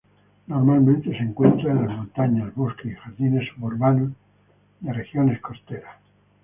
Normalmente se encuentra en las montañas, bosques y jardines suburbanos de regiones costeras.